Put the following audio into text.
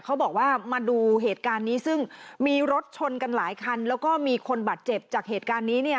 เขาบอกว่ามาดูเหตุการณ์นี้ซึ่งมีรถชนกันหลายคันแล้วก็มีคนบาดเจ็บจากเหตุการณ์นี้เนี่ย